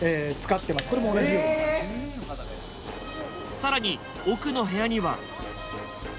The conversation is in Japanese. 更に奥の部屋には。